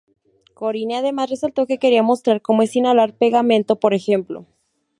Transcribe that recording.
Korine además resaltó que "quería mostrar como es inhalar pegamento, por ejemplo.